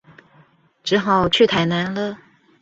只好去台南了